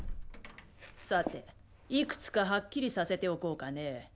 さていくつかハッキリさせておこうかね。